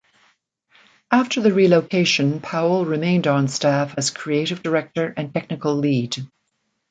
After the relocation, Powell remained on staff as creative director and technical lead.